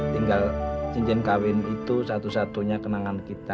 tinggal ijen kawin itu satu satunya kenangan kita